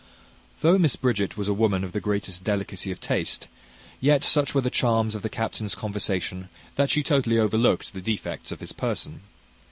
Though Miss Bridget was a woman of the greatest delicacy of taste, yet such were the charms of the captain's conversation, that she totally overlooked the defects of his person.